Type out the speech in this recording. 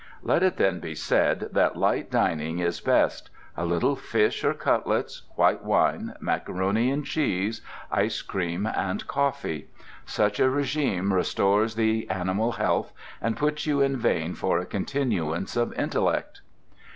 Let it then be said that light dining is best: a little fish or cutlets, white wine, macaroni and cheese, ice cream and coffee. Such a régime restores the animal health, and puts you in vein for a continuance of intellect.